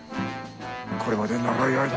これまで長い間。